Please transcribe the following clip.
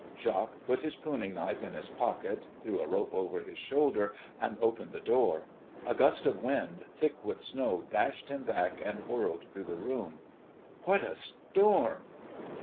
Jacques put his pruning knife in his pocket, threw a rope over his shoulder, and opened the door. A gust of wind thick with snow dashed him back and whirled through the room. "What a storm!"